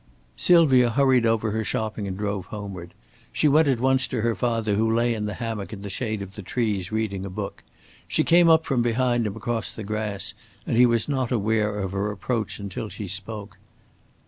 Sylvia hurried over her shopping and drove homeward. She went at once to her father, who lay in the hammock in the shade of the trees, reading a book. She came up from behind him across the grass, and he was not aware of her approach until she spoke.